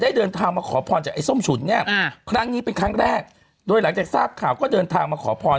เดินทางมาขอพรจากไอ้ส้มฉุนเนี่ยครั้งนี้เป็นครั้งแรกโดยหลังจากทราบข่าวก็เดินทางมาขอพร